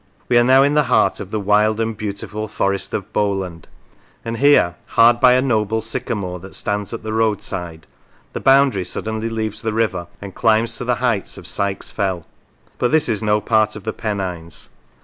We are now in the heart of the wild and beautiful forest of Bowland, and here, hard by a noble sycamore that stands at the road side, the boundary suddenly leaves the river and climbs to the heights of Sykes Fell, but this is no part of the Pennines.